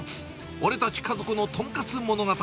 俺たち家族のとんかつ物語。